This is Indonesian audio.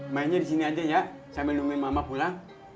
mainnya di sini aja ya sambil nungguin mama pulang